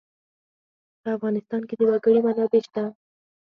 په افغانستان کې د وګړي منابع شته.